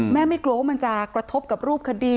ไม่กลัวว่ามันจะกระทบกับรูปคดี